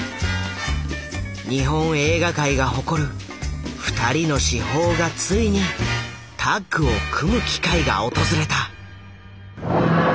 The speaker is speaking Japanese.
日本映画界が誇る二人の至宝がついにタッグを組む機会が訪れた。